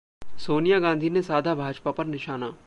सोनिया गांधी ने साधा भाजपा पर निशाना